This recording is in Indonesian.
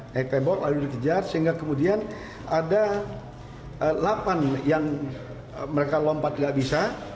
naik tembok lalu dikejar sehingga kemudian ada delapan yang mereka lompat tidak bisa